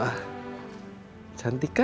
itu neneknya shiva